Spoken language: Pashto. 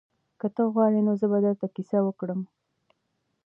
که ته غواړې نو زه به درته کیسه وکړم.